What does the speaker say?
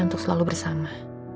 untuk selalu bersama